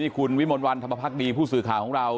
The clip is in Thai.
คุณวิมลวันธรรมพักดีผู้สื่อข่าวของเรา